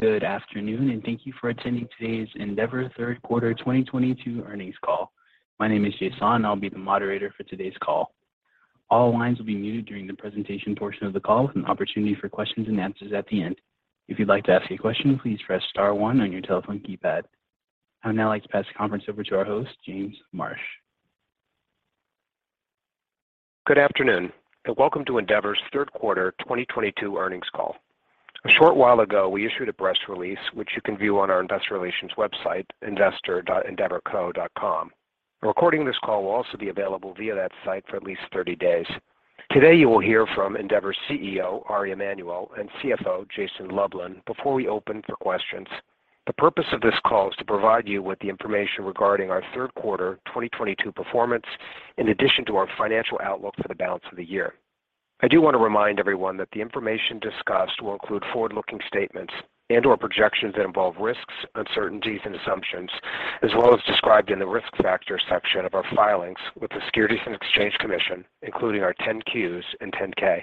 Good afternoon, and thank you for attending today's Endeavor third quarter 2022 earnings call. My name is Jason, and I'll be the moderator for today's call. All lines will be muted during the presentation portion of the call with an opportunity for questions and answers at the end. If you'd like to ask a question, please press star one on your telephone keypad. I'd now like to pass the conference over to our host, James Marsh. Good afternoon, and welcome to Endeavor's third quarter 2022 earnings call. A short while ago, we issued a press release which you can view on our investor relations website, investor.endeavorco.com. A recording of this call will also be available via that site for at least 30 days. Today, you will hear from Endeavor CEO Ari Emanuel and CFO Jason Lublin before we open for questions. The purpose of this call is to provide you with the information regarding our third quarter 2022 performance in addition to our financial outlook for the balance of the year. I do want to remind everyone that the information discussed will include forward-looking statements and/or projections that involve risks, uncertainties, and assumptions as well as described in the Risk Factors section of our filings with the Securities and Exchange Commission, including our 10-Qs and 10-K.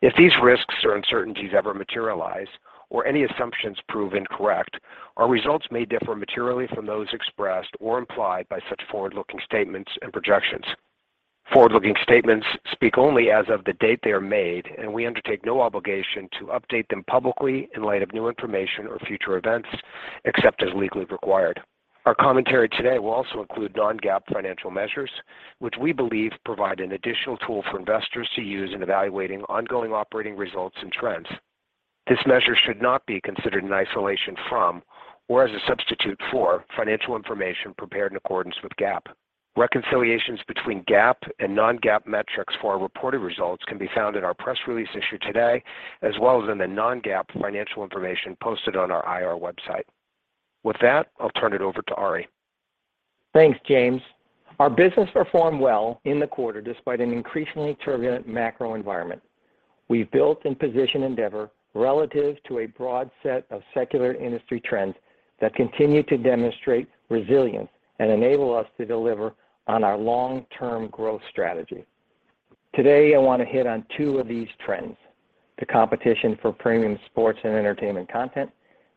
If these risks or uncertainties ever materialize or any assumptions prove incorrect, our results may differ materially from those expressed or implied by such forward-looking statements and projections. Forward-looking statements speak only as of the date they are made, and we undertake no obligation to update them publicly in light of new information or future events except as legally required. Our commentary today will also include Non-GAAP financial measures which we believe provide an additional tool for investors to use in evaluating ongoing operating results and trends. This measure should not be considered in isolation from or as a substitute for financial information prepared in accordance with GAAP. Reconciliations between GAAP and Non-GAAP metrics for our reported results can be found in our press release issued today as well as in the Non-GAAP financial information posted on our IR website. With that, I'll turn it over to Ari. Thanks, James. Our business performed well in the quarter despite an increasingly turbulent macro environment. We've built and positioned Endeavor relative to a broad set of secular industry trends that continue to demonstrate resilience and enable us to deliver on our long-term growth strategy. Today, I want to hit on two of these trends, the competition for premium sports and entertainment content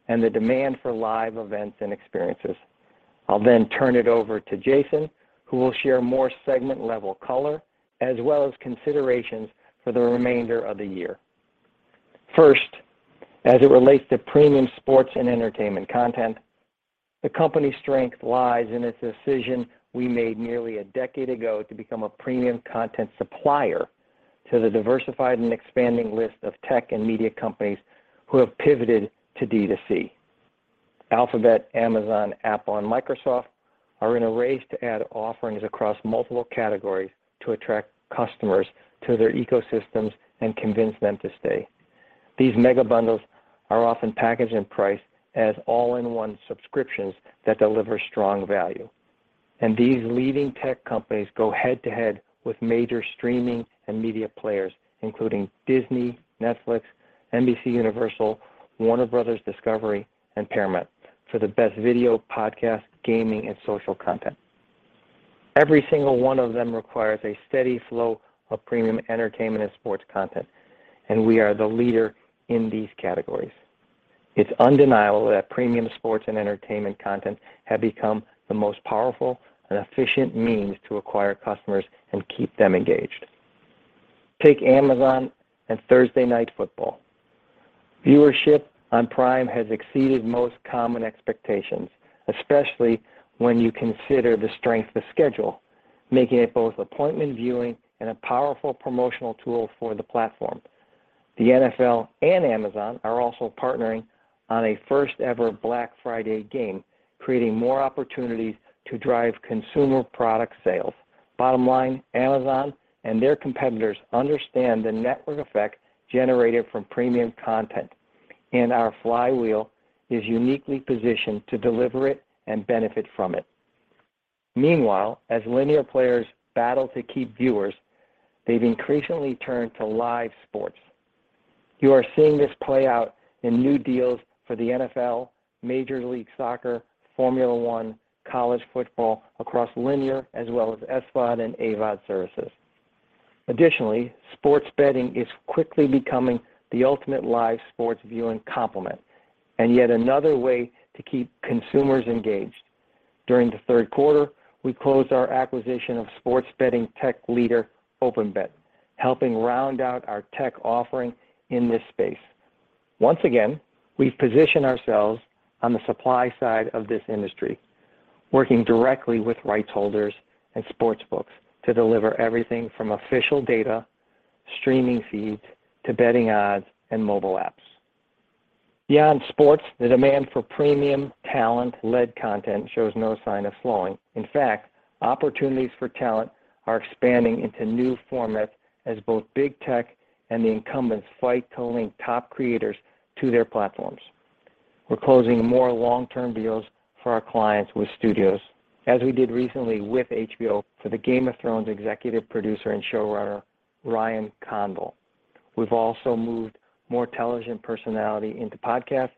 and the demand for live events and experiences. I'll then turn it over to Jason who will share more segment-level color as well as considerations for the remainder of the year. First, as it relates to premium sports and entertainment content, the company's strength lies in its decision we made nearly a decade ago to become a premium content supplier to the diversified and expanding list of tech and media companies who have pivoted to DTC. Alphabet, Amazon, Apple, and Microsoft are in a race to add offerings across multiple categories to attract customers to their ecosystems and convince them to stay. These mega bundles are often packaged and priced as all-in-one subscriptions that deliver strong value. These leading tech companies go head to head with major streaming and media players, including Disney, Netflix, NBCUniversal, Warner Bros. Discovery, and Paramount for the best video, podcast, gaming, and social content. Every single one of them requires a steady flow of premium entertainment and sports content, and we are the leader in these categories. It's undeniable that premium sports and entertainment content have become the most powerful and efficient means to acquire customers and keep them engaged. Take Amazon and Thursday Night Football. Viewership on Prime has exceeded most common expectations, especially when you consider the strength of schedule, making it both appointment viewing and a powerful promotional tool for the platform. The NFL and Amazon are also partnering on a first ever Black Friday game, creating more opportunities to drive consumer product sales. Bottom line, Amazon and their competitors understand the network effect generated from premium content, and our flywheel is uniquely positioned to deliver it and benefit from it. Meanwhile, as linear players battle to keep viewers, they've increasingly turned to live sports. You are seeing this play out in new deals for the NFL, Major League Soccer, Formula One, college football across linear as well as SVOD and AVOD services. Additionally, sports betting is quickly becoming the ultimate live sports viewing complement and yet another way to keep consumers engaged. During the third quarter, we closed our acquisition of sports betting tech leader OpenBet, helping round out our tech offering in this space. Once again, we've positioned ourselves on the supply side of this industry, working directly with rights holders and sports books to deliver everything from official data, streaming feeds to betting odds and mobile apps. Beyond sports, the demand for premium talent-led content shows no sign of slowing. In fact, opportunities for talent are expanding into new formats as both big tech and the incumbents fight to link top creators to their platforms. We're closing more long-term deals for our clients with studios as we did recently with HBO for the Game of Thrones executive producer and showrunner Ryan Condal. We've also moved more talent and personality into podcasts,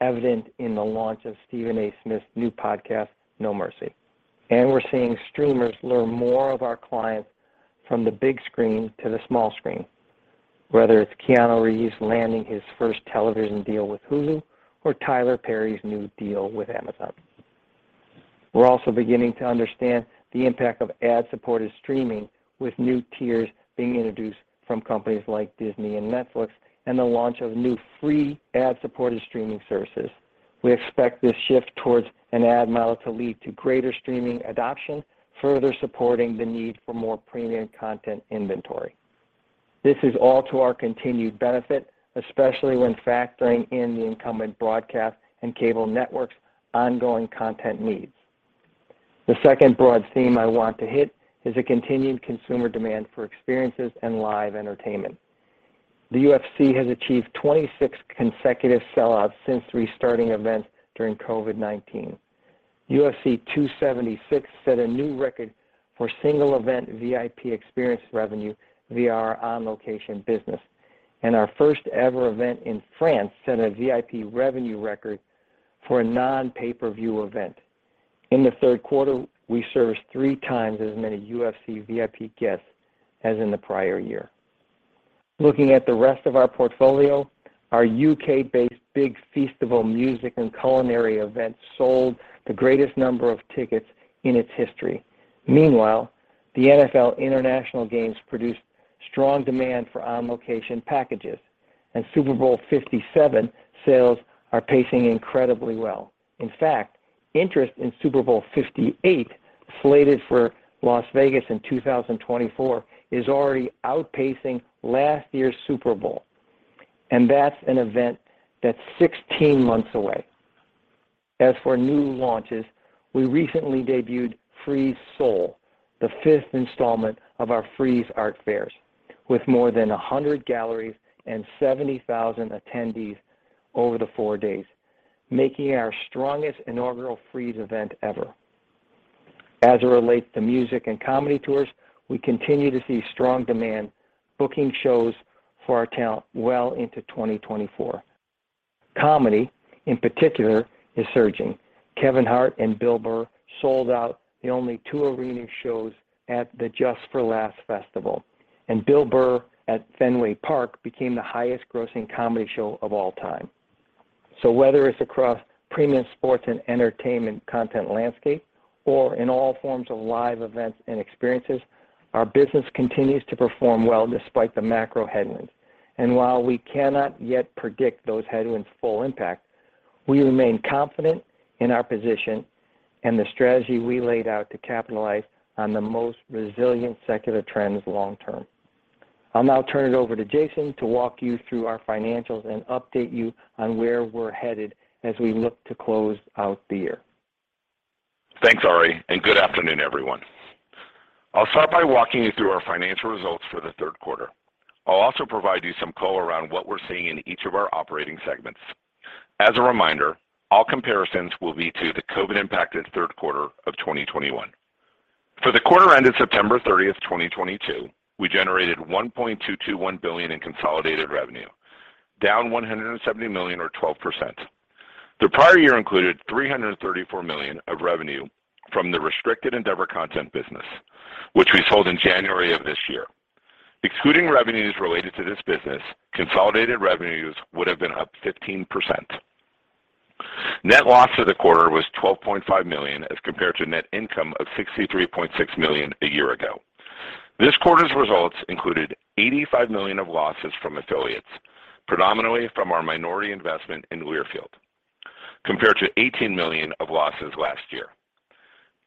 evident in the launch of Stephen A. Smith's new podcast, No Mercy. We're seeing streamers learning more of our clients from the big screen to the small screen, whether it's Keanu Reeves landing his first television deal with Hulu or Tyler Perry's new deal with Amazon. We're also beginning to understand the impact of ad-supported streaming with new tiers being introduced from companies like Disney and Netflix and the launch of new free ad-supported streaming services. We expect this shift towards an ad model to lead to greater streaming adoption, further supporting the need for more premium content inventory. This is all to our continued benefit, especially when factoring in the incumbent broadcast and cable networks' ongoing content needs. The second broad theme I want to hit is the continued consumer demand for experiences and live entertainment. The UFC has achieved 26 consecutive sellouts since restarting events during COVID-19. UFC 276 set a new record for single event VIP experience revenue via our On Location business, and our first ever event in France set a VIP revenue record for a non-pay-per-view event. In the third quarter, we serviced 3 times as many UFC VIP guests as in the prior year. Looking at the rest of our portfolio, our UK-based Big Feastival music and culinary event sold the greatest number of tickets in its history. Meanwhile, the NFL international games produced strong demand for On Location packages, and Super Bowl LVII sales are pacing incredibly well. In fact, interest in Super Bowl LVIII, slated for Las Vegas in 2024, is already outpacing last year's Super Bowl, and that's an event that's 16 months away. As for new launches, we recently debuted Frieze Seoul, the fifth installment of our Frieze art fairs, with more than 100 galleries and 70,000 attendees over the four days, making it our strongest inaugural Frieze event ever. As it relates to music and comedy tours, we continue to see strong demand, booking shows for our talent well into 2024. Comedy, in particular, is surging. Kevin Hart and Bill Burr sold out the only 2 arena shows at the Just for Laughs festival, and Bill Burr at Fenway Park became the highest grossing comedy show of all time. Whether it's across premium sports and entertainment content landscape or in all forms of live events and experiences, our business continues to perform well despite the macro headwinds. While we cannot yet predict those headwinds' full impact, we remain confident in our position and the strategy we laid out to capitalize on the most resilient secular trends long term. I'll now turn it over to Jason to walk you through our financials and update you on where we're headed as we look to close out the year. Thanks, Ari, and good afternoon, everyone. I'll start by walking you through our financial results for the third quarter. I'll also provide you some color around what we're seeing in each of our operating segments. As a reminder, all comparisons will be to the COVID-impacted third quarter of 2021. For the quarter ended September 30, 2022, we generated $1.221 billion in consolidated revenue, down $170 million or 12%. The prior year included $334 million of revenue from the restricted Endeavor Content business, which we sold in January of this year. Excluding revenues related to this business, consolidated revenues would have been up 15%. Net loss for the quarter was $12.5 million, as compared to net income of $63.6 million a year ago. This quarter's results included $85 million of losses from affiliates, predominantly from our minority investment in Learfield, compared to $18 million of losses last year.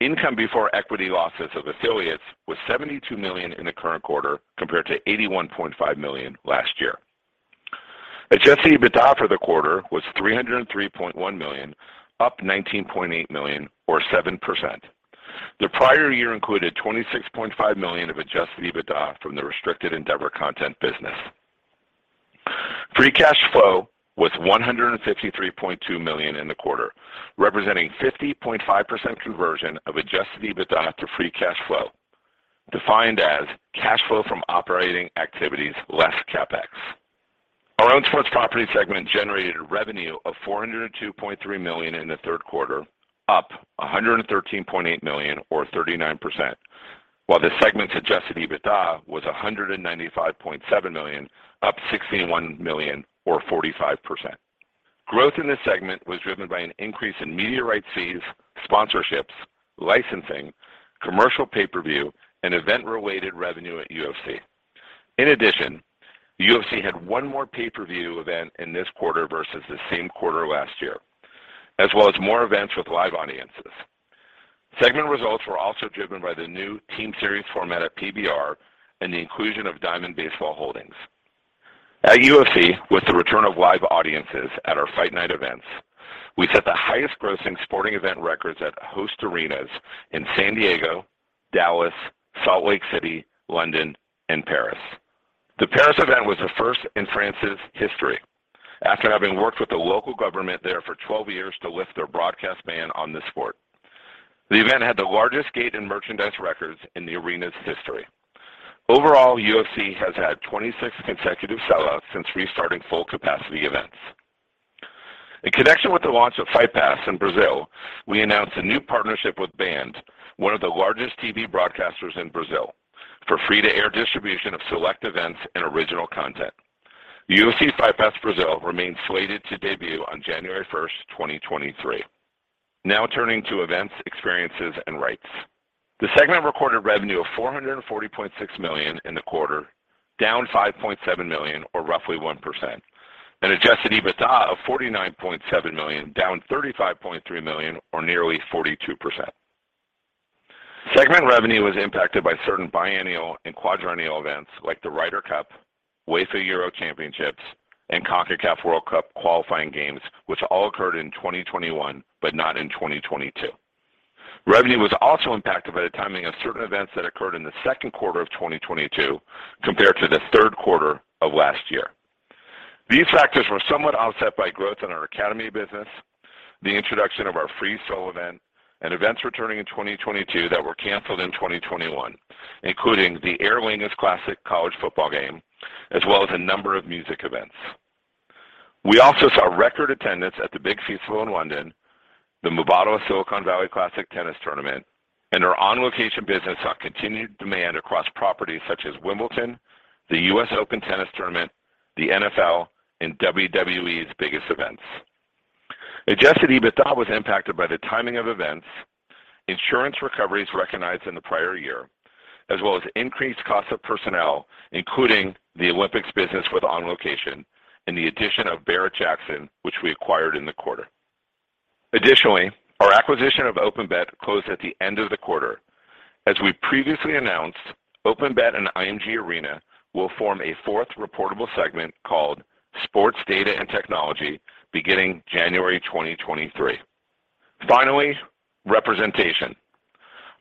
Income before equity losses of affiliates was $72 million in the current quarter, compared to $81.5 million last year. Adjusted EBITDA for the quarter was $303.1 million, up $19.8 million or 7%. The prior year included $26.5 million of adjusted EBITDA from the restricted Endeavor Content business. Free cash flow was $153.2 million in the quarter, representing 50.5% conversion of adjusted EBITDA to free cash flow, defined as cash flow from operating activities less CapEx. Owned Sports Properties segment generated revenue of $402.3 million in the third quarter, up $113.8 million or 39%, while the segment's adjusted EBITDA was $195.7 million, up $61 million or 45%. Growth in this segment was driven by an increase in media rights fees, sponsorships, licensing, commercial pay-per-view, and event-related revenue at UFC. In addition, the UFC had one more pay-per-view event in this quarter versus the same quarter last year, as well as more events with live audiences. Segment results were also driven by the new team series format at PBR and the inclusion of Diamond Baseball Holdings. At UFC, with the return of live audiences at our fight night events, we set the highest grossing sporting event records at host arenas in San Diego, Dallas, Salt Lake City, London, and Paris. The Paris event was the first in France's history after having worked with the local government there for 12 years to lift their broadcast ban on this sport. The event had the largest gate and merchandise records in the arena's history. Overall, UFC has had 26 consecutive sellouts since restarting full capacity events. In connection with the launch of Fight Pass in Brazil, we announced a new partnership with Band, one of the largest TV broadcasters in Brazil, for free-to-air distribution of select events and original content. UFC Fight Pass Brazil remains slated to debut on January 1, 2023. Now turning to events, experiences, and rights. The segment recorded revenue of $440.6 million in the quarter, down $5.7 million or roughly 1%, and adjusted EBITDA of $49.7 million, down $35.3 million or nearly 42%. Segment revenue was impacted by certain biennial and quadrennial events like the Ryder Cup, UEFA Euro Championships, and CONCACAF World Cup qualifying games, which all occurred in 2021 but not in 2022. Revenue was also impacted by the timing of certain events that occurred in the second quarter of 2022 compared to the third quarter of last year. These factors were somewhat offset by growth in our academy business, the introduction of our FreeStyle event, and events returning in 2022 that were canceled in 2021, including the Aer Lingus Classic college football game, as well as a number of music events. We also saw record attendance at the Big Feastival in London, the Mubadala Silicon Valley Classic tennis tournament, and our On Location business saw continued demand across properties such as Wimbledon, the US Open tennis tournament, the NFL, and WWE's biggest events. Adjusted EBITDA was impacted by the timing of events, insurance recoveries recognized in the prior year, as well as increased cost of personnel, including the Olympics business with On Location and the addition of Barrett-Jackson, which we acquired in the quarter. Additionally, our acquisition of OpenBet closed at the end of the quarter. As we previously announced, OpenBet and IMG Arena will form a fourth reportable segment called Sports Data and Technology beginning January 2023. Finally, representation.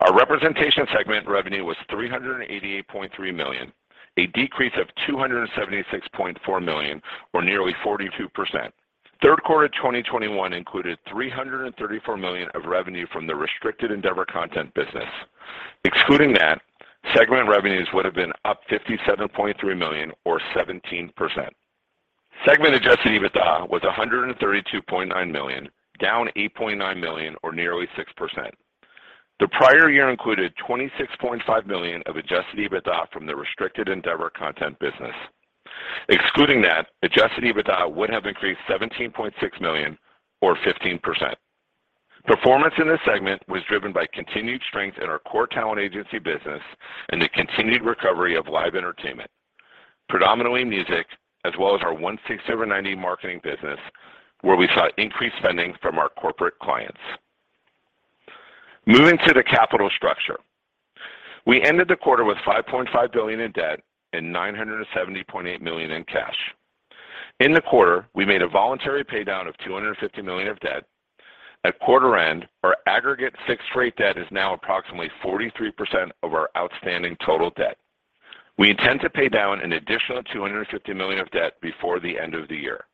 Our representation segment revenue was $388.3 million, a decrease of $276.4 million or nearly 42%. Third quarter 2021 included $334 million of revenue from the restricted Endeavor Content business. Excluding that, segment revenues would have been up $57.3 million or 17%. Segment adjusted EBITDA was $132.9 million, down $8.9 million or nearly 6%. The prior year included $26.5 million of adjusted EBITDA from the restricted Endeavor Content business. Excluding that, adjusted EBITDA would have increased $17.6 million or 15%. Performance in this segment was driven by continued strength in our core talent agency business and the continued recovery of live entertainment, predominantly music, as well as our 160over90 marketing business, where we saw increased spending from our corporate clients. Moving to the capital structure. We ended the quarter with $5.5 billion in debt and $970.8 million in cash. In the quarter, we made a voluntary paydown of $250 million of debt. At quarter end, our aggregate fixed-rate debt is now approximately 43% of our outstanding total debt. We intend to pay down an additional $250 million of debt before the end of the year.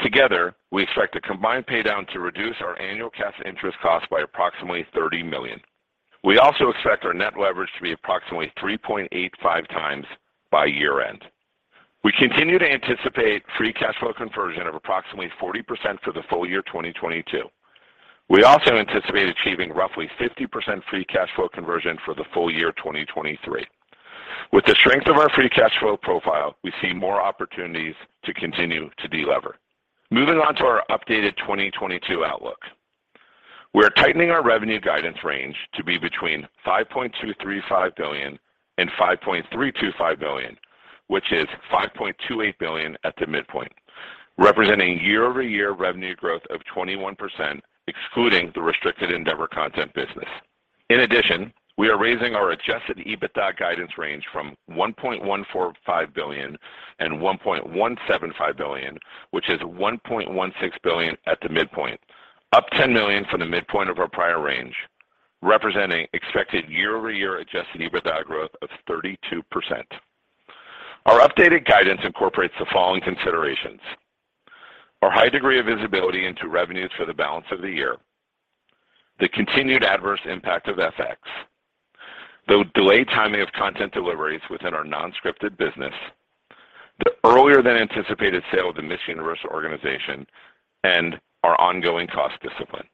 Together, we expect a combined paydown to reduce our annual cash interest cost by approximately $30 million. We also expect our net leverage to be approximately 3.85 times by year-end. We continue to anticipate free cash flow conversion of approximately 40% for the full year 2022. We also anticipate achieving roughly 50% free cash flow conversion for the full year 2023. With the strength of our free cash flow profile, we see more opportunities to continue to delever. Moving on to our updated 2022 outlook. We are tightening our revenue guidance range to be between $5.235 billion and $5.325 billion, which is $5.28 billion at the midpoint, representing year-over-year revenue growth of 21%, excluding the restricted Endeavor Content business. In addition, we are raising our adjusted EBITDA guidance range from $1.145 billion and $1.175 billion, which is $1.16 billion at the midpoint, up $10 million from the midpoint of our prior range, representing expected year-over-year adjusted EBITDA growth of 32%. Our updated guidance incorporates the following considerations. Our high degree of visibility into revenues for the balance of the year, the continued adverse impact of FX, the delayed timing of content deliveries within our non-scripted business, the earlier than anticipated sale of the Miss Universe organization, and our ongoing cost discipline.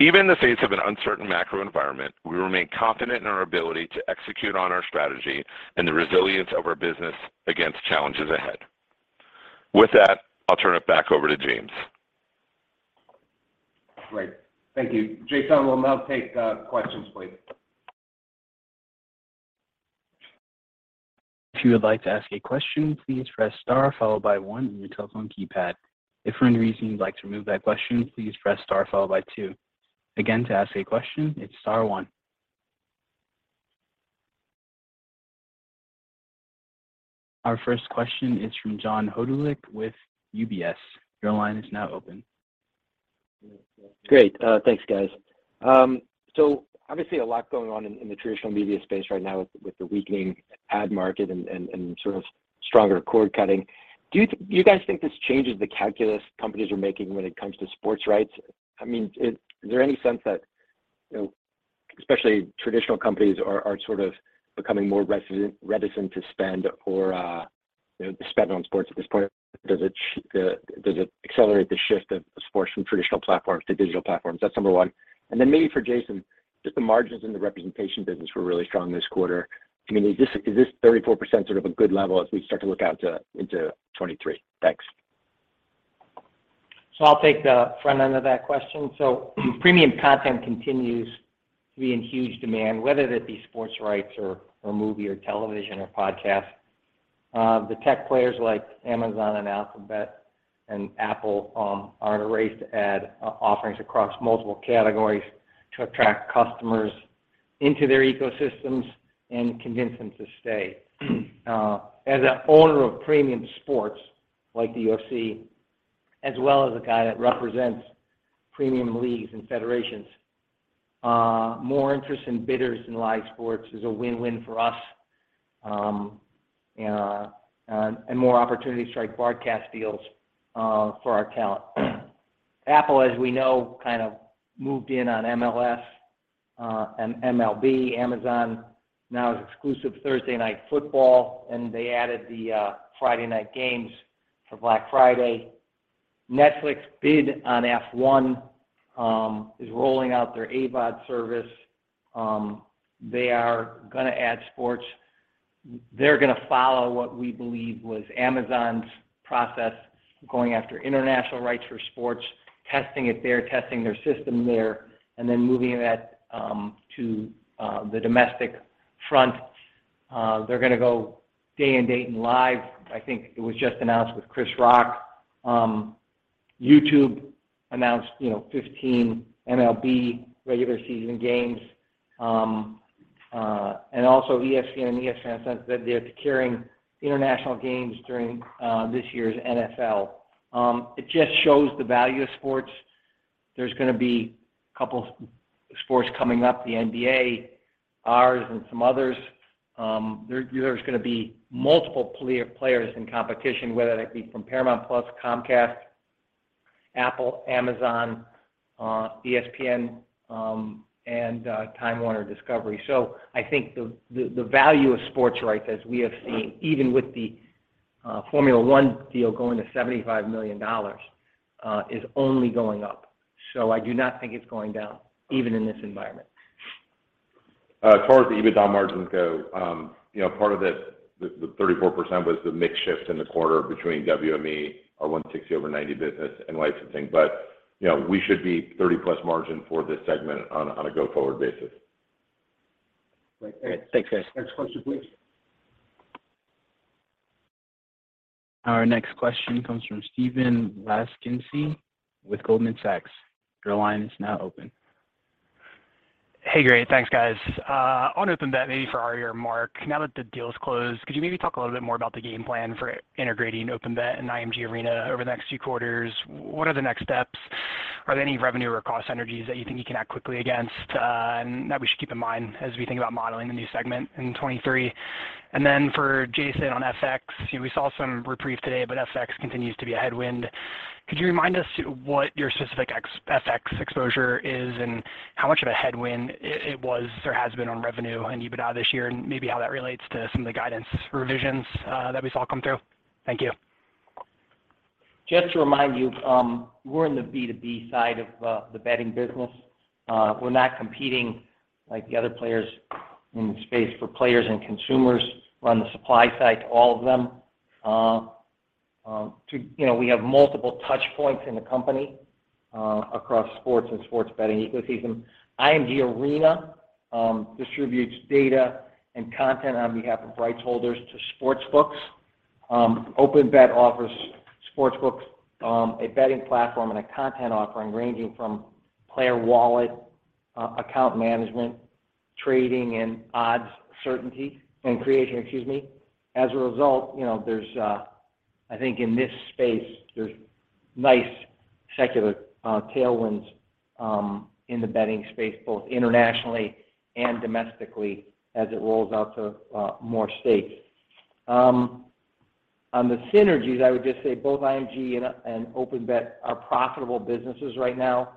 Even in the face of an uncertain macro environment, we remain confident in our ability to execute on our strategy and the resilience of our business against challenges ahead. With that, I'll turn it back over to James. Great. Thank you. Jason, we'll now take questions please. If you would like to ask a question, please press star followed by one on your telephone keypad. If for any reason you'd like to remove that question, please press star followed by two. Again, to ask a question, it's star one. Our first question is from John Hodulik with UBS. Your line is now open. Great. Thanks, guys. So obviously a lot going on in the traditional media space right now with the weakening ad market and sort of stronger cord cutting. Do you guys think this changes the calculus companies are making when it comes to sports rights? I mean, is there any sense that, you know, especially traditional companies are sort of becoming more reticent to spend or, you know, to spend on sports at this point. Does it accelerate the shift of sports from traditional platforms to digital platforms? That's number one. Then maybe for Jason, just the margins in the representation business were really strong this quarter. I mean, is this 34% sort of a good level as we start to look out into 2023? Thanks. I'll take the front end of that question. Premium content continues to be in huge demand, whether that be sports rights or movie or television or podcast. The tech players like Amazon and Alphabet and Apple are in a race to add offerings across multiple categories to attract customers into their ecosystems and convince them to stay. As an owner of premium sports like the UFC, as well as a guy that represents premium leagues and federations, more interest from bidders in live sports is a win-win for us, and more opportunities to strike broadcast deals for our talent. Apple, as we know, kind of moved in on MLS and MLB. Amazon now has exclusive Thursday Night Football, and they added the Friday night games for Black Friday. Netflix bid on F1 is rolling out their AVOD service. They are gonna add sports. They're gonna follow what we believe was Amazon's process going after international rights for sports, testing it there, testing their system there, and then moving that to the domestic front. They're gonna go day and date and live. I think it was just announced with Chris Rock. YouTube announced, you know, 15 MLB regular season games. Also ESPN said that they're carrying international games during this year's NFL. It just shows the value of sports. There's gonna be a couple sports coming up, the NBA, ours, and some others. There's gonna be multiple players in competition, whether that be from Paramount+, Comcast, Apple, Amazon, ESPN, and Warner Bros. Discovery. I think the value of sports rights as we have seen, even with the Formula One deal going to $75 million, is only going up. I do not think it's going down even in this environment. As far as the EBITDA margins go, you know, part of the 34% was the mix shift in the quarter between WME, our 160over90 business, and licensing. You know, we should be 30+% margin for this segment on a go-forward basis. Great. Thanks. Thanks, guys. Next question, please. Our next question comes from Stephen Laszczyk with Goldman Sachs. Your line is now open. Hey, great. Thanks, guys. On OpenBet, maybe for Ari or Mark. Now that the deal is closed, could you maybe talk a little bit more about the game plan for integrating OpenBet and IMG Arena over the next few quarters? What are the next steps? Are there any revenue or cost synergies that you think you can act quickly against, and that we should keep in mind as we think about modeling the new segment in 2023? For Jason on FX, you know, we saw some reprieve today, but FX continues to be a headwind. Could you remind us what your specific ex-FX exposure is and how much of a headwind it was or has been on revenue and EBITDA this year, and maybe how that relates to some of the guidance revisions that we saw come through? Thank you. Just to remind you, we're in the B2B side of the betting business. We're not competing like the other players in the space for players and consumers. We're on the supply side to all of them. You know, we have multiple touch points in the company across sports and sports betting ecosystem. IMG Arena distributes data and content on behalf of rights holders to sports books. OpenBet offers sports books a betting platform and a content offering ranging from player wallet account management, trading, and odds creation. As a result, you know, there's, I think, in this space, there's nice secular tailwinds in the betting space, both internationally and domestically as it rolls out to more states. On the synergies, I would just say both IMG and OpenBet are profitable businesses right now.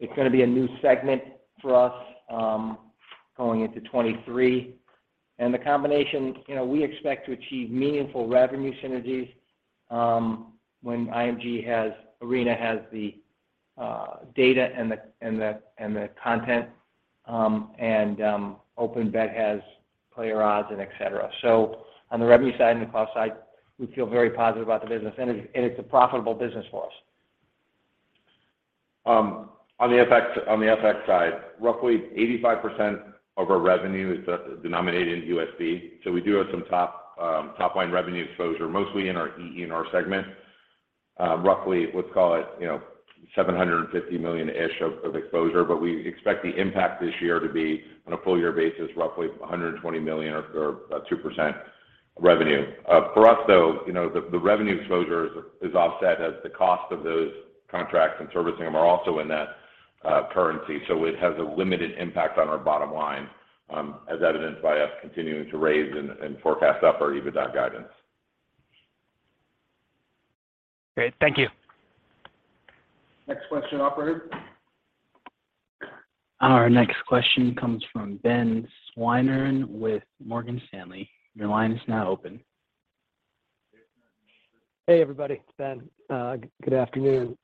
It's gonna be a new segment for us, going into 2023. The combination, you know, we expect to achieve meaningful revenue synergies, when IMG Arena has the data and the content, and OpenBet has player odds and et cetera. On the revenue side and the cost side, we feel very positive about the business and it's a profitable business for us. On the FX side, roughly 85% of our revenue is denominated in USD. We do have some top line revenue exposure, mostly in our E&R segment. Roughly, let's call it, you know, $750 million-ish of exposure. We expect the impact this year to be, on a full year basis, roughly $120 million or 2% revenue. For us, though, you know, the revenue exposure is offset as the cost of those contracts and servicing them are also in that currency. It has a limited impact on our bottom line, as evidenced by us continuing to raise and forecast up our EBITDA guidance. Great. Thank you. Next question, operator. Our next question comes from Ben Swinburne with Morgan Stanley. Your line is now open. Hey, everybody. It's Ben. Good afternoon.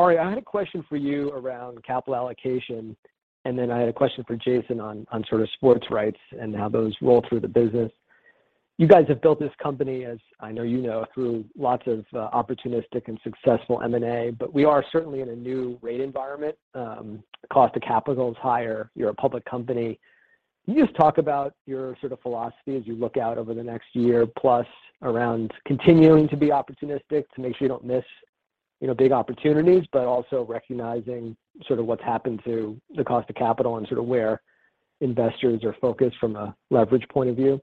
Ari, I had a question for you around capital allocation, and then I had a question for Jason on sort of sports rights and how those roll through the business. You guys have built this company, as I know you know, through lots of opportunistic and successful M&A. We are certainly in a new rate environment. Cost of capital is higher. You're a public company. Can you just talk about your sort of philosophy as you look out over the next year plus around continuing to be opportunistic to make sure you don't miss, you know, big opportunities, but also recognizing sort of what's happened to the cost of capital and sort of where investors are focused from a leverage point of view?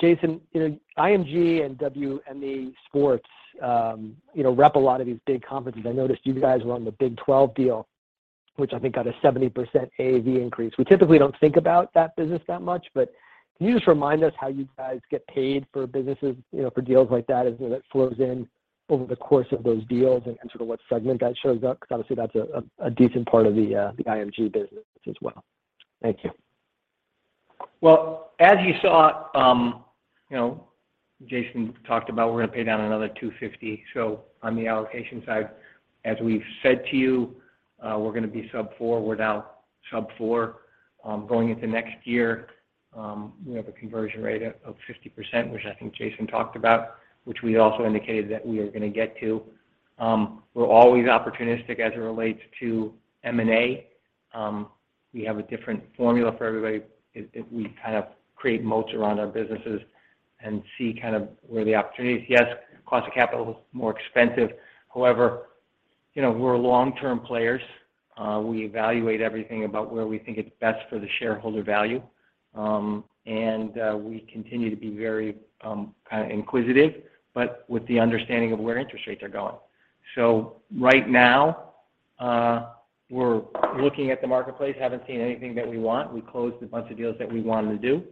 Jason, you know, IMG and WME Sports, you know, rep a lot of these big conferences. I noticed you guys were on the Big 12 deal, which I think got a 70% AAV increase. We typically don't think about that business that much, but can you just remind us how you guys get paid for businesses, you know, for deals like that as, you know, it flows in over the course of those deals and sort of what segment that shows up? 'Cause obviously that's a decent part of the IMG business as well. Thank you. Well, as you saw, you know, Jason talked about we're gonna pay down another $250. On the allocation side, as we've said to you, we're gonna be sub-4. We're now sub-4. Going into next year, we have a conversion rate of 50%, which I think Jason talked about, which we also indicated that we are gonna get to. We're always opportunistic as it relates to M&A. We have a different formula for everybody. We kind of create moats around our businesses and see kind of where the opportunity is. Yes, cost of capital is more expensive. However, you know, we're long-term players. We evaluate everything about where we think it's best for the shareholder value. We continue to be very kinda inquisitive, but with the understanding of where interest rates are going. Right now, we're looking at the marketplace, haven't seen anything that we want. We closed a bunch of deals that we wanted to do.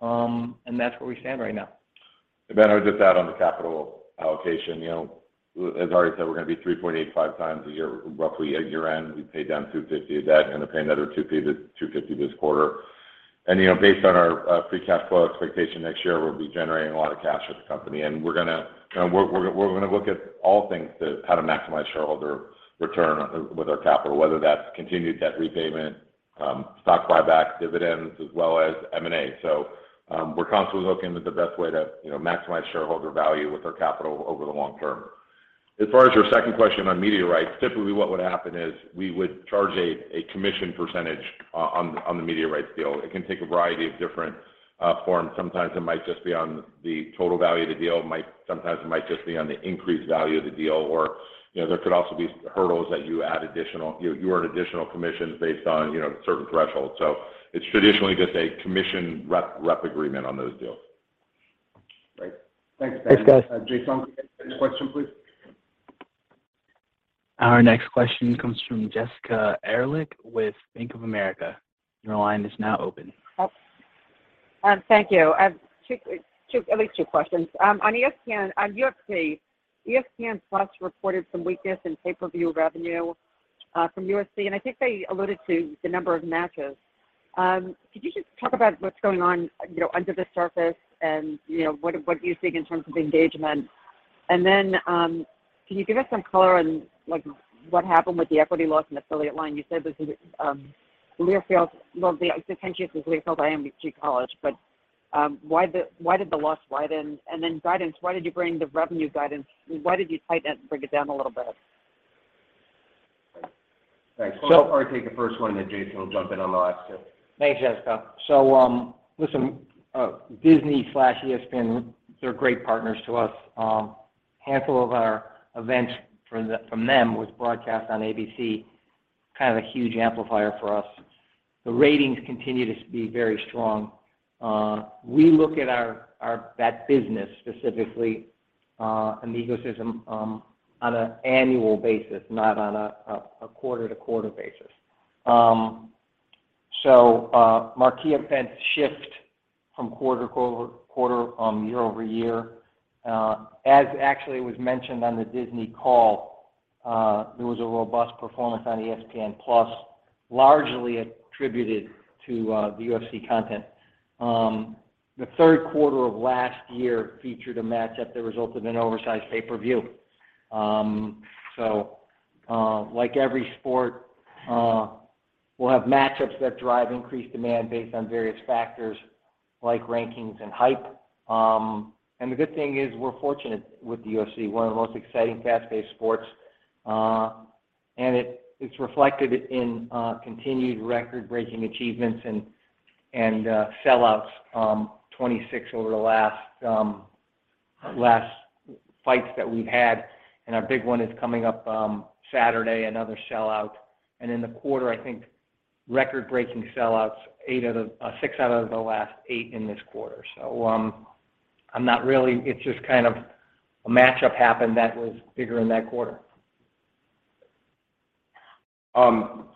That's where we stand right now. Ben, I would just add on the capital allocation. You know, as Ari said, we're gonna be 3.85x at year-end, roughly. We paid down $250 of debt, gonna pay another $250 this quarter. You know, based on our free cash flow expectation next year, we'll be generating a lot of cash for the company. You know, we're gonna look at all things to how to maximize shareholder return with our capital, whether that's continued debt repayment, stock buybacks, dividends, as well as M&A. We're constantly looking at the best way to, you know, maximize shareholder value with our capital over the long term. As far as your second question on media rights, typically what would happen is we would charge a commission percentage on the media rights deal. It can take a variety of different forms. Sometimes it might just be on the total value of the deal. It might just be on the increased value of the deal or, you know, there could also be hurdles that you add additional, you know, you earn additional commissions based on, you know, certain thresholds. It's traditionally just a commission rep agreement on those deals. Great. Thanks, Ben. Thanks, guys. Jason, next question, please. Our next question comes from Jessica Ehrlich with Bank of America. Your line is now open. Oh, thank you. I've at least two questions. On UFC, ESPN+ reported some weakness in pay-per-view revenue from UFC, and I think they alluded to the number of matches. Could you just talk about what's going on, you know, under the surface and, you know, what you're seeing in terms of engagement? Then, can you give us some color on, like, what happened with the equity loss in affiliate line? You said this is Learfield. Well, the Learfield is IMG College. Why'd the loss widen? Then guidance, why did you tighten the revenue guidance and bring it down a little bit? Thanks. Well, I'll probably take the first one, then Jason will jump in on the last two. Thanks, Jessica. Listen, Disney/ESPN, they're great partners to us. Handful of our events from them was broadcast on ABC, kind of a huge amplifier for us. The ratings continue to be very strong. We look at our that business specifically in the ecosystem on an annual basis, not on a quarter-to-quarter basis. Marquee events shift from quarter to quarter, year-over-year. As actually was mentioned on the Disney call, there was a robust performance on ESPN+, largely attributed to the UFC content. The third quarter of last year featured a match-up that resulted in an oversized pay-per-view. Like every sport, we'll have matchups that drive increased demand based on various factors like rankings and hype. The good thing is we're fortunate with the UFC, one of the most exciting fast-paced sports. It's reflected in continued record-breaking achievements and sellouts, 26 over the last fights that we've had. Our big one is coming up Saturday, another sellout. In the quarter, I think record-breaking sellouts six out of the last eight in this quarter. It's just kind of a matchup happened that was bigger in that quarter. On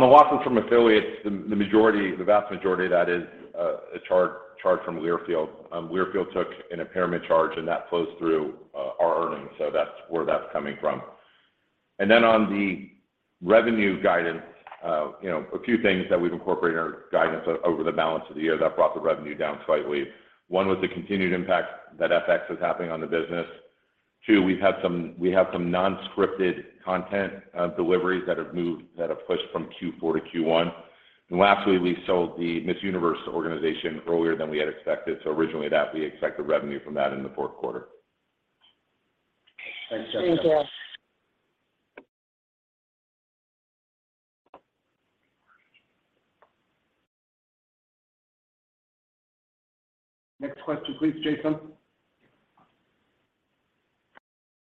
the losses from affiliates, the majority, the vast majority of that is a charge from Learfield. Learfield took an impairment charge, and that flows through our earnings, so that's where that's coming from. On the revenue guidance, you know, a few things that we've incorporated in our guidance over the balance of the year that brought the revenue down slightly. One was the continued impact that FX is having on the business. Two, we have some non-scripted content deliveries that have moved, that have pushed from Q4 to Q1. Lastly, we sold the Miss Universe organization earlier than we had expected, so originally that we expected revenue from that in the fourth quarter. Thanks, gentlemen. Thank you. Next question please, Jason.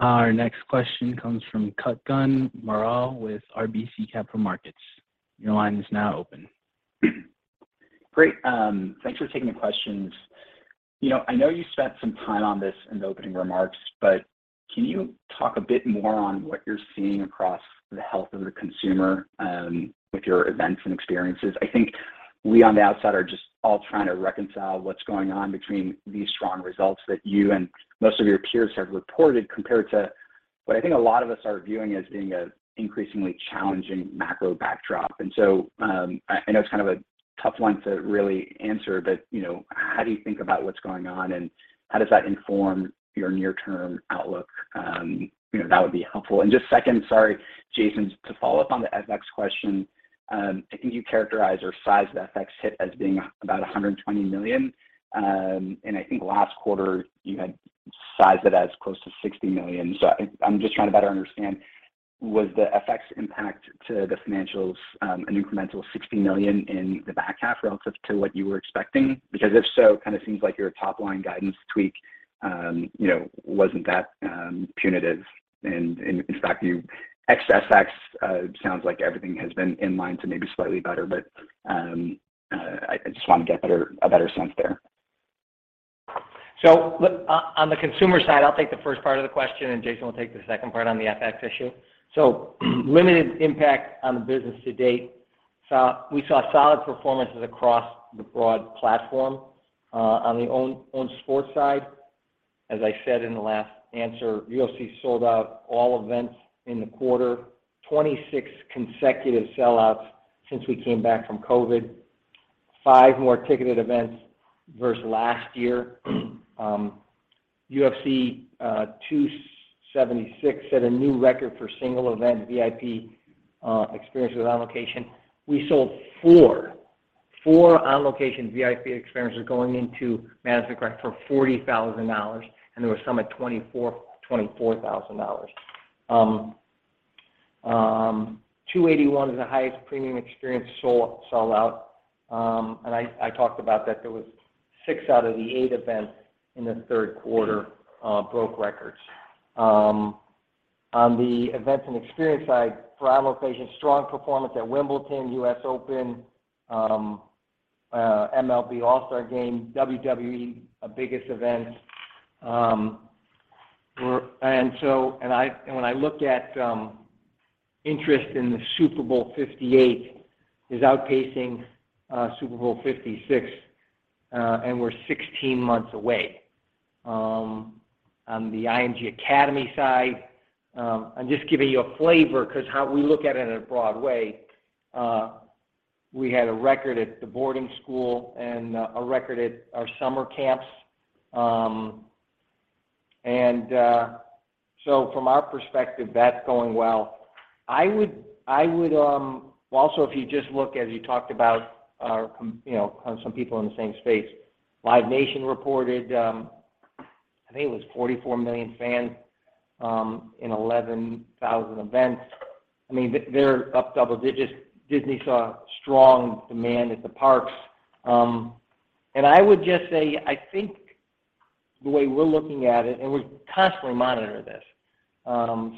Our next question comes from Kutgun Maral with RBC Capital Markets. Your line is now open. Great, thanks for taking the questions. You know, I know you spent some time on this in the opening remarks, but can you talk a bit more on what you're seeing across the health of the consumer, with your events and experiences? I think we on the outside are just all trying to reconcile what's going on between these strong results that you and most of your peers have reported compared to what I think a lot of us are viewing as being an increasingly challenging macro backdrop. I know it's kind of a tough one to really answer, but, you know, how do you think about what's going on, and how does that inform your near-term outlook? You know, that would be helpful. Just a second, sorry, Jason, to follow up on the FX question. I think you characterized or sized the FX hit as being about $120 million. I think last quarter you had sized it as close to $60 million. I'm just trying to better understand. Was the FX impact to the financials an incremental $60 million in the back half relative to what you were expecting? Because if so, kind of seems like your top line guidance tweak, you know, wasn't that punitive. In fact, ex FX, sounds like everything has been in line to maybe slightly better, but I just wanna get a better sense there. Look, on the consumer side, I'll take the first part of the question, and Jason will take the second part on the FX issue. Limited impact on the business to date. We saw solid performances across the broad platform. On the owned sports side, as I said in the last answer, UFC sold out all events in the quarter. 26 consecutive sellouts since we came back from COVID. 5 more ticketed events versus last year. UFC 276 set a new record for single event VIP experiences on location. We sold four on location VIP experiences going into Madison Square Garden for $40,000, and there were some at $24,000. UFC 281 is the highest premium experience sold out. I talked about that there was six out of the eight events in the third quarter broke records. On the events and experience side for On Location, strong performance at Wimbledon, US Open, MLB All-Star Game, WWE, our biggest event. When I look at interest in the Super Bowl LVIII is outpacing Super Bowl LVI and we're 16 months away. On the IMG Academy side, I'm just giving you a flavor because how we look at it in a broad way, we had a record at the boarding school and a record at our summer camps. From our perspective, that's going well. I would Well, also, if you just look as you talked about, you know, some people in the same space. Live Nation reported, I think it was 44 million fans in 11,000 events. I mean, they're up double digits. Disney saw strong demand at the parks. I would just say, I think the way we're looking at it, and we constantly monitor this,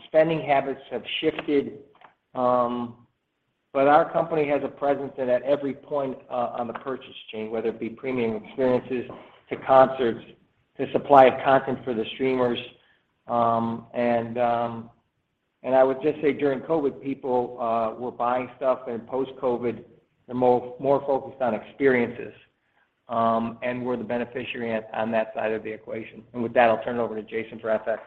spending habits have shifted, but our company has a presence that at every point on the purchase chain. Whether it be premium experiences to concerts to supply of content for the streamers. I would just say during COVID, people were buying stuff, and post-COVID, they're more focused on experiences. We're the beneficiary at, on that side of the equation. With that, I'll turn it over to Jason for FX.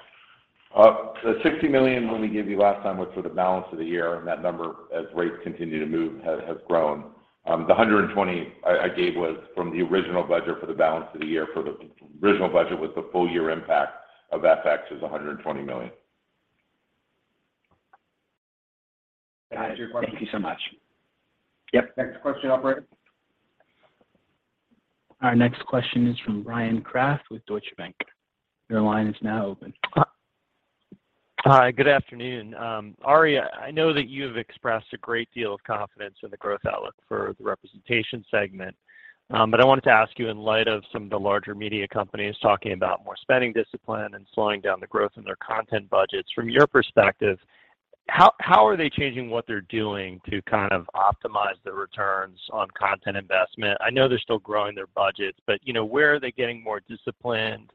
The $60 million when we gave you last time was for the balance of the year, and that number as rates continue to move has grown. The 120 I gave was from the original budget for the balance of the year. Original budget was the full year impact of FX is $120 million. Got it. Thank you so much. Yep. Next question, operator. Our next question is from Bryan Kraft with Deutsche Bank. Your line is now open. Hi, good afternoon. Ari, I know that you have expressed a great deal of confidence in the growth outlook for the representation segment. I wanted to ask you in light of some of the larger media companies talking about more spending discipline and slowing down the growth in their content budgets. From your perspective, how are they changing what they're doing to kind of optimize the returns on content investment? I know they're still growing their budgets, but, you know, where are they getting more disciplined?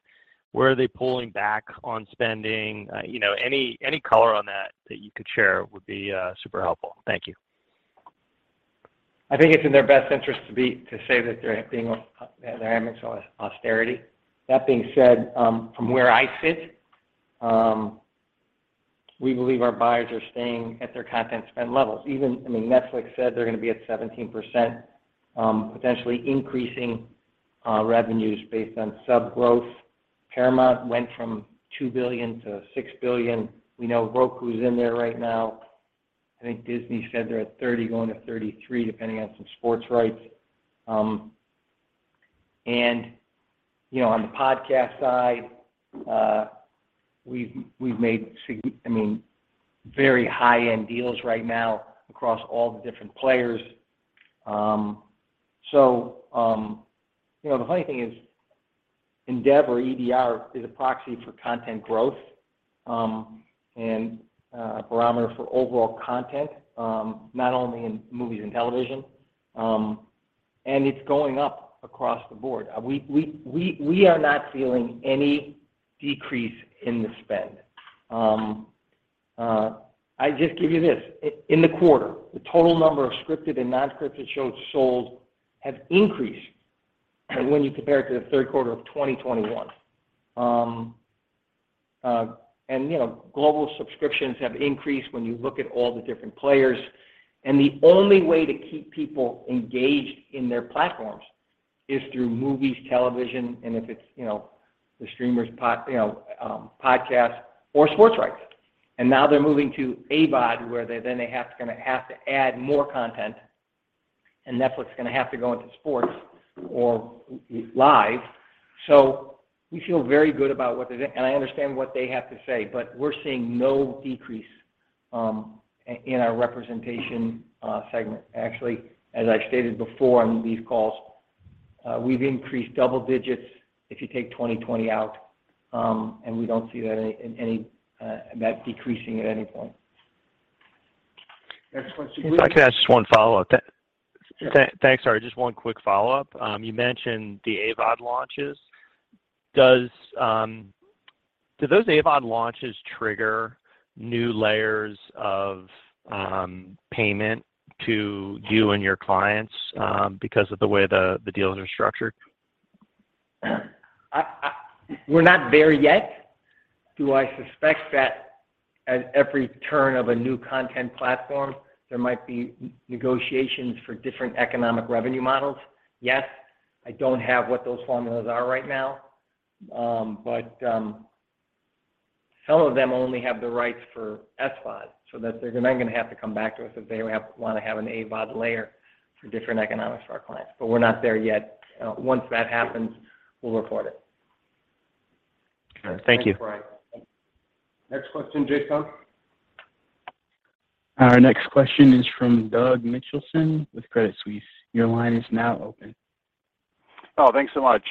Where are they pulling back on spending? You know, any color on that that you could share would be super helpful. Thank you. I think it's in their best interest to say that they're amidst austerity. That being said, from where I sit, we believe our buyers are staying at their content spend levels. Even, I mean, Netflix said they're gonna be at 17%, potentially increasing revenues based on sub growth. Paramount went from $2 billion to $6 billion. We know Roku's in there right now. I think Disney said they're at 30%, going to 33%, depending on some sports rights. You know, on the podcast side, we've made, I mean, very high-end deals right now across all the different players. You know, the funny thing is Endeavor, EDR, is a proxy for content growth, and a barometer for overall content, not only in movies and television. It's going up across the board. We are not feeling any decrease in the spend. I just give you this. In the quarter, the total number of scripted and non-scripted shows sold have increased when you compare it to the third quarter of 2021. You know, global subscriptions have increased when you look at all the different players. The only way to keep people engaged in their platforms is through movies, television, and if it's, you know, the streamers pod, you know, podcast or sports rights. Now they're moving to AVOD, where they have to gonna have to add more content, and Netflix is gonna have to go into sports or live. We feel very good about what they're doing. I understand what they have to say, but we're seeing no decrease in our representation segment. Actually, as I stated before on these calls, we've increased double digits if you take 2020 out, and we don't see that decreasing at any point. Next question, please. If I could ask just one follow-up. Sure. Thanks. Sorry, just one quick follow-up. You mentioned the AVOD launches. Do those AVOD launches trigger new layers of payment to you and your clients because of the way the deals are structured? We're not there yet. Do I suspect that at every turn of a new content platform, there might be negotiations for different economic revenue models? Yes. I don't have what those formulas are right now. Some of them only have the rights for SVOD, so that they're then gonna have to come back to us if they wanna have an AVOD layer for different economics for our clients. We're not there yet. Once that happens, we'll report it. Okay. Thank you. Thanks, Bryan. Next question, Jason. Our next question is from Doug Mitchelson with Credit Suisse. Your line is now open. Oh, thanks so much.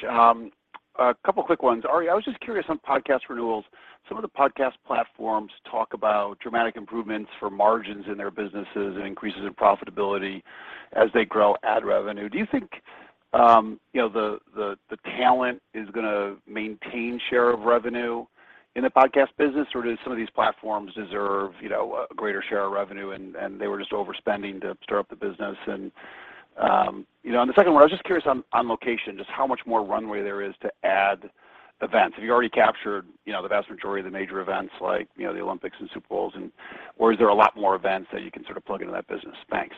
A couple quick ones. Ari, I was just curious on podcast renewals. Some of the podcast platforms talk about dramatic improvements for margins in their businesses and increases in profitability as they grow ad revenue. Do you think, you know, the talent is gonna maintain share of revenue in the podcast business, or do some of these platforms deserve, you know, a greater share of revenue and they were just overspending to start up the business? You know, on the second one, I was just curious on On Location, just how much more runway there is to add events. Have you already captured, you know, the vast majority of the major events like, you know, the Olympics and Super Bowls, or is there a lot more events that you can sort of plug into that business? Thanks.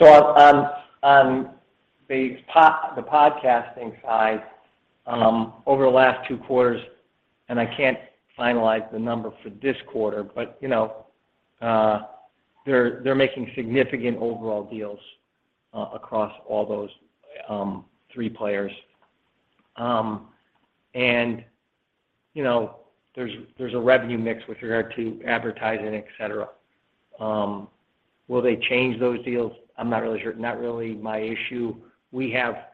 On the podcasting side, over the last two quarters, and I can't finalize the number for this quarter, but you know, they're making significant overall deals across all those three players. You know, there's a revenue mix with regard to advertising, et cetera. Will they change those deals? I'm not really sure. Not really my issue. They're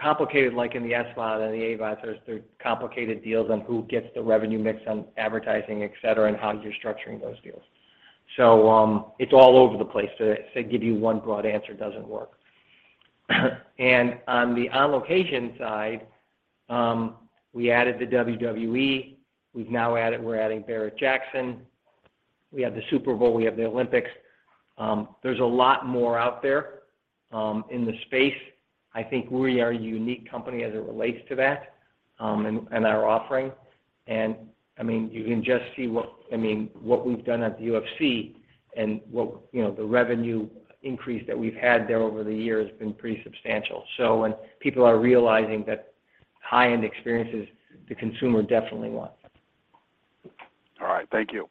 complicated, like in the SVOD and the AVOD. They're complicated deals on who gets the revenue mix on advertising, et cetera, and how you're structuring those deals. It's all over the place. To give you one broad answer doesn't work. On the On Location side, we added the WWE. We're adding Barrett-Jackson. We have the Super Bowl. We have the Olympics. There's a lot more out there in the space. I think we are a unique company as it relates to that, and our offering. I mean, you can just see what, I mean, what we've done at the UFC and what, you know, the revenue increase that we've had there over the years has been pretty substantial. When people are realizing that high-end experiences, the consumer definitely wants. All right. Thank you.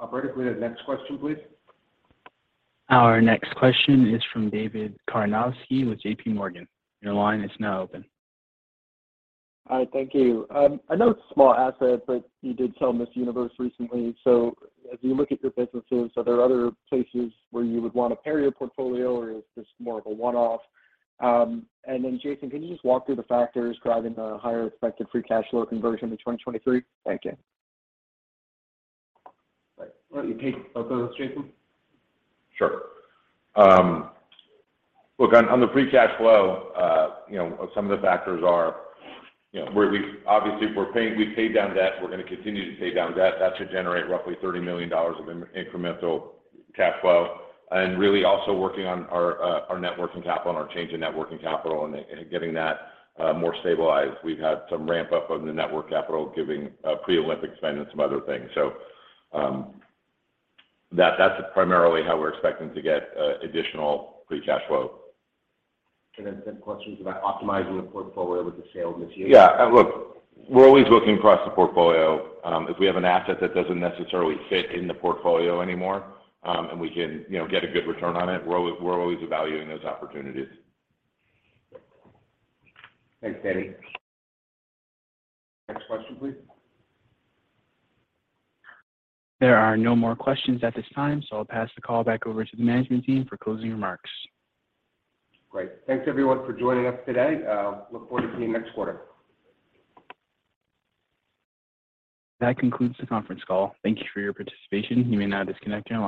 Operator, can we have the next question, please? Our next question is from David Karnovsky with J.P. Morgan. Your line is now open. Hi, thank you. I know it's a small asset, but you did sell Miss Universe recently. As you look at your businesses, are there other places where you would want to pare your portfolio, or is this more of a one-off? Jason, can you just walk through the factors driving the higher expected free cash flow conversion to 2023? Thank you. Why don't you take both of those, Jason? Sure. Look, on the free cash flow, some of the factors are, we've obviously paid down debt. We're gonna continue to pay down debt. That should generate roughly $30 million of incremental cash flow. Really also working on our net working capital and our change in net working capital and getting that more stabilized. We've had some ramp-up of the net working capital, given pre-Olympic spend and some other things. That's primarily how we're expecting to get additional free cash flow. Second question is about optimizing the portfolio with the sale of Miss Universe. Yeah. Look, we're always looking across the portfolio. If we have an asset that doesn't necessarily fit in the portfolio anymore, and we can, you know, get a good return on it, we're always evaluating those opportunities. Thanks, Teddy. Next question, please. There are no more questions at this time, so I'll pass the call back over to the management team for closing remarks. Great. Thanks everyone for joining us today. Look forward to seeing you next quarter. That concludes the conference call. Thank you for your participation. You may now disconnect your lines.